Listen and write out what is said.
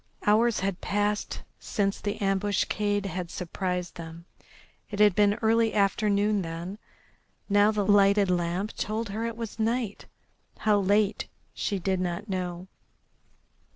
Hours had passed since the ambuscade had surprised them. It had been early afternoon then. Now the lighted lamp told her it was night. How late she did not know.